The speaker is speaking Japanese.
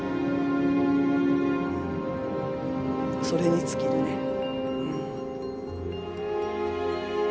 それに尽きるね。